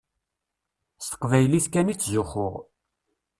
S teqbaylit kan i ttzuxxuɣ.